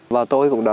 và tôi cũng đã